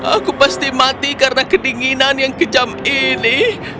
aku pasti mati karena kedinginan yang kejam ini